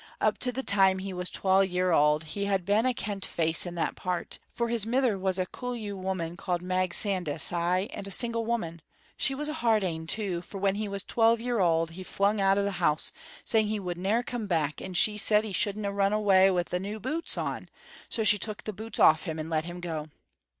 Up to the time he was twal year auld he had been a kent face in that part, for his mither was a Cullew woman called Mag Sandys, ay, and a single woman. She was a hard ane too, for when he was twelve year auld he flung out o' the house saying he would ne'er come back, and she said he shouldna run awa' wi' thae new boots on, so she took the boots off him and let him go.